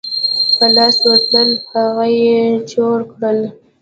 په لاس ورتلل هغه یې چور کړل.